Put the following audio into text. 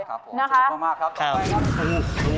ครับผมขอบคุณมากครับต่อไปนะครับขอบคุณมาก